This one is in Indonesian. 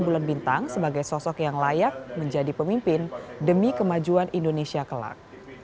bulan bintang sebagai sosok yang layak menjadi pemimpin demi kemajuan indonesia kelak